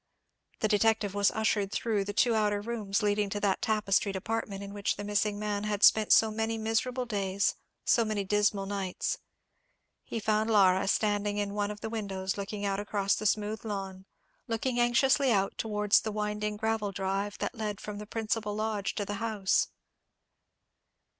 The detective was ushered through the two outer rooms leading to that tapestried apartment in which the missing man had spent so many miserable days, so many dismal nights. He found Laura standing in one of the windows looking out across the smooth lawn, looking anxiously out towards the winding gravel drive that led from the principal lodge to the house.